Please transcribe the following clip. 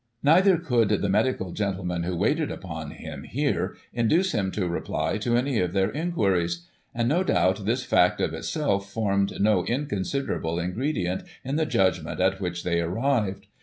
Neither could the medical gentlemen who waited upon him here induce him to reply to any of their inquiries ; and no doubt, this fact, of itself, formed no in considerable ingredient in the judgment at which they arrived.